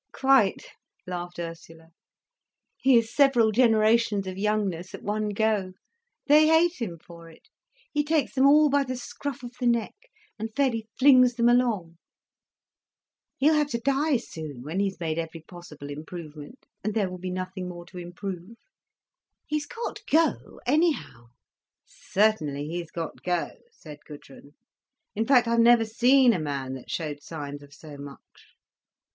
"Quite," laughed Ursula. "He is several generations of youngness at one go. They hate him for it. He takes them all by the scruff of the neck, and fairly flings them along. He'll have to die soon, when he's made every possible improvement, and there will be nothing more to improve. He's got go, anyhow." "Certainly, he's got go," said Gudrun. "In fact I've never seen a man that showed signs of so much.